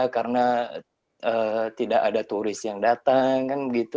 karena tidak ada turis yang datang